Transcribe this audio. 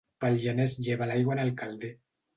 Pel gener es lleva l'aigua en el calder.